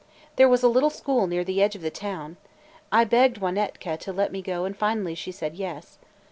There was a little school near the edge of the town. I begged Wanetka to let me go and finally she said yes.